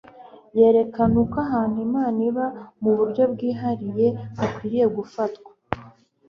yerekana uko ahantu imana iba mu buryo bwihariye hakwiriye gufatwa